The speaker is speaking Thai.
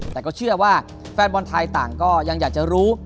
แต่ก็เชื่อว่าแฟนบอลไทยต่างก็ยังอยากจะรู้